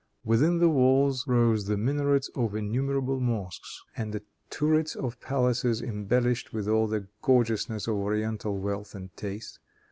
Within the walls rose the minarets of innumerable mosques and the turrets of palaces embellished with all the gorgeousness of oriental wealth and taste.